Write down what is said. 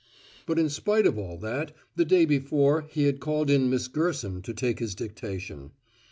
But in spite of all that the day before he had called in Miss Gerson to take his dictation.